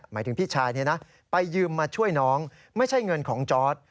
หมายถึงพี่ชายไปยืมมาช่วยน้องไม่ใช่เงินของจอร์ด